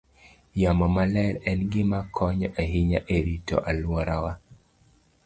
Yamo maler en gima konyo ahinya e rito alworawa.